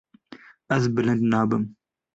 Ez bilind nabim.